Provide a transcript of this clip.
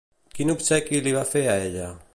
Quin obsequi li va fer a ella?